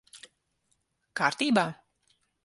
Kārtībā?